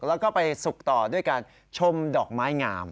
แล้วก็ไปสุกต่อด้วยการชมดอกไม้งาม